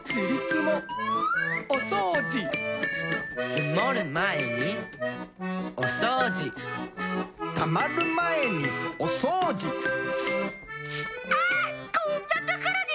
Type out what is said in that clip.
つもるまえにおそうじたまるまえにおそうじあっこんなところに！